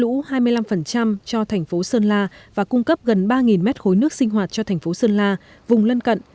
dự án hoàn thành sẽ cắt lũ hai mươi năm cho thành phố sơn la và cung cấp gần ba mét khối nước sinh hoạt cho thành phố sơn la vùng lân cận